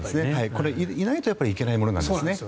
これ、いないといけないものなんですね。